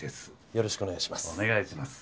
よろしくお願いします。